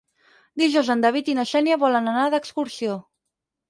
Dijous en David i na Xènia volen anar d'excursió.